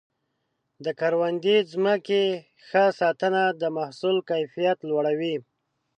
د کروندې ځمکې ښه ساتنه د محصول کیفیت لوړوي.